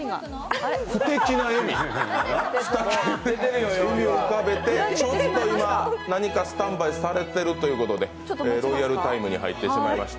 不敵な笑みを浮かべてちょっと今、何かスタンバイされてるいうことでロイヤルタイムに入ってしまいました。